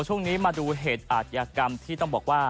ช่วงนี้มาดูเหตุอาทยากรรมที่ต้องบอกว่า